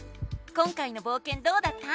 今回のぼうけんどうだった？